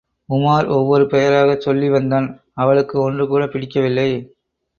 உமார் ஒவ்வொரு பெயராகச் சொல்லி வந்தான், அவளுக்கு ஒன்றுகூடப் பிடிக்கவில்லை.